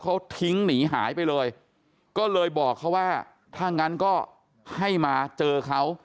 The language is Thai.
เขาทิ้งหนีหายไปเลยก็เลยบอกเขาว่าถ้างั้นก็ให้มาเจอเขา